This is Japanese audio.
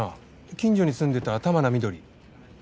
近所に住んでた玉名翠。